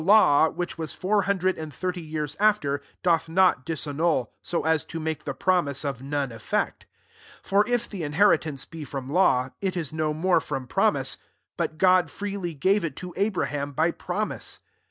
309 aw, which was fouf hundred md ttiirty years after, doth not Ssannul, so as to make the iromise of none effect. 18 For if the inheritance be from law, i^ >• no more from promise : but Sod fireelj gave it to^Abraham >y promise.